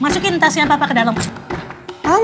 masukin tasnya papa ke dalam